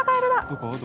どこ？